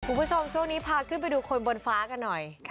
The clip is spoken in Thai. คุณผู้ชมช่วงนี้พาขึ้นไปดูคนบนฟ้ากันหน่อย